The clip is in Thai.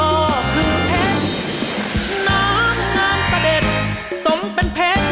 โอ๊ะโอ๊ะโอ๊ะ